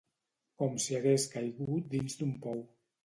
Com si hagués caigut dins un pou.